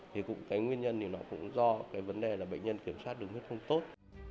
thì cái nguyên nhân thì nó cũng do cái vấn đề là bệnh nhân kiểm soát đường huyết không tốt